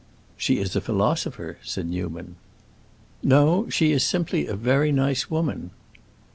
"She is a philosopher," said Newman. "No, she is simply a very nice woman."